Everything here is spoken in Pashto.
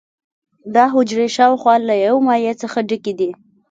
دا حجرې شاوخوا له یو مایع څخه ډکې دي.